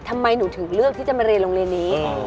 ทำไมหนูถึงเลือกที่จะมาเรียนโรงเรียนนี้